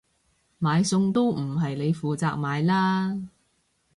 買餸都唔係你負責買啦？